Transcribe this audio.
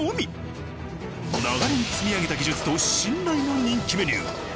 長年積み上げた技術と信頼の人気メニュー。